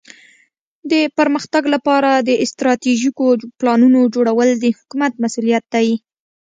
د پرمختګ لپاره د استراتیژیکو پلانونو جوړول د حکومت مسؤولیت دی.